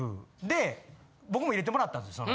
僕も入れてもらったんですよ